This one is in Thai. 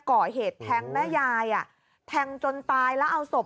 ก่อเหตุแทงแม่ยายอ่ะแทงจนตายแล้วเอาศพ